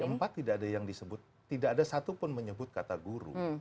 dari empat tidak ada yang disebut tidak ada satu pun menyebut kata guru